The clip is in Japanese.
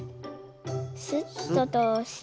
スッととおして。